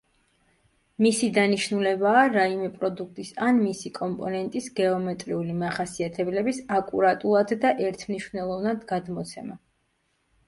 მისი დანიშნულებაა რაიმე პროდუქტის ან მისი კომპონენტის გეომეტრიული მახასიათებლების აკურატულად და ერთმნიშვნელოვნად გადმოცემა.